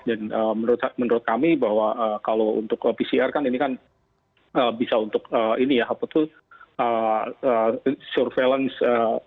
dan menurut kami bahwa kalau untuk pcr kan ini kan bisa untuk ini ya apa tuh surveillance